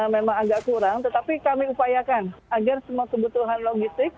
memang agak kurang tetapi kami upayakan agar semua kebutuhan logistik